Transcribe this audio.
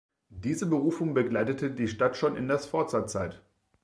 Diese Berufung begleitete die Stadt schon in der Sforza-Zeit.